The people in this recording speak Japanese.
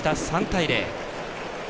３対０。